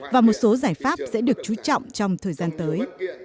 và một số giải pháp sẽ được chú trọng trong thời gian tới